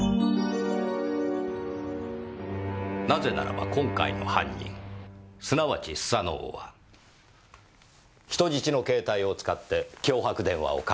なぜならば今回の犯人すなわち須佐之男は人質の携帯を使って脅迫電話をかけていたからです。